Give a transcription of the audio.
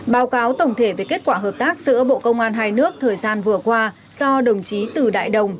báo cáo tổng thể về kết quả hợp tác giữa bộ công an hai nước thời gian vừa qua do đồng chí tử đại đồng